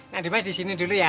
nadimas di sini dulu ya